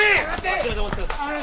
あちらでお待ちください。